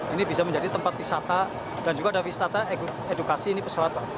ini bisa menjadi tempat wisata dan juga ada wisata edukasi ini pesawat pak